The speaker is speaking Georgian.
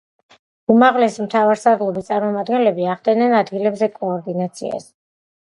უმაღლესი მთავარსარდლობის წარმომადგენლები ახდენდნენ ადგილებზე კოორდინაციას.